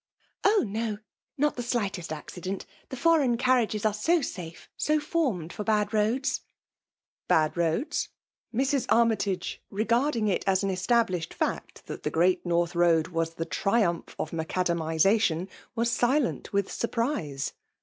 ^ Oh ! no ; not the slightest accident : the femgn caniages are so safe — so formed for bad roads.'* •'' Bftd roads V Mrs* Armytage r^^drng*. i( as an ^tablifihed &ct that tlie Great North Sited was the triumph of Macadamizatton, was silent >vith surprise.